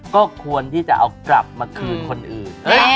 ก็ควรที่จะเอากลับมาคืนคนอื่น